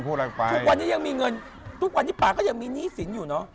ป่ายทุกวันนี่ป่าก็ยังมีษิน